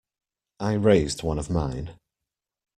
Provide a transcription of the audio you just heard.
I raised one of mine.